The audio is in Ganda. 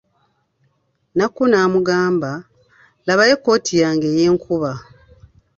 Nakku n'amugamba, labayo ekkooti yange ey'enkuba.